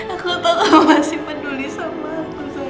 aku tau kamu masih peduli sama aku sayang